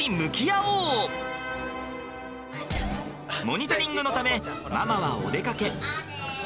モニタリングのためママはお出かけ。